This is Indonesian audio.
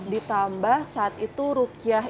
ditambah saat itu rukiyah